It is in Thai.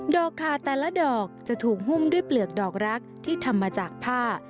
ดอกขาแต่ละดอกจะถูกหุ้มด้วยเปลือกดอกรักที่ทำมาจากผ้า